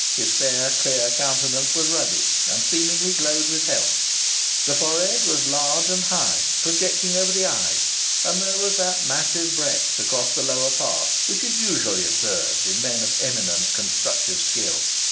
His fair, clear countenance was ruddy, and seemingly glowed with health. The forehead was large and high, projecting over the eyes, and there was that massive breadth across the lower part which is usually observed in men of eminent constructive skill.